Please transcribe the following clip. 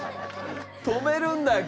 止めるんだよ